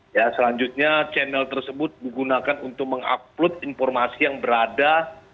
ya selanjutnya channel tersebut digunakan untuk mengupload informasi yang berada